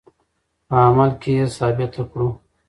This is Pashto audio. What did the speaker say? په عمل کې یې ثابته کړو.